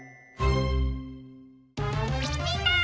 みんな！